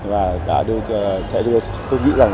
và đã đưa tôi nghĩ là